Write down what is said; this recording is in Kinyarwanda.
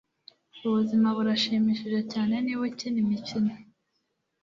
Ubuzima burashimishije cyane niba ukina imikino.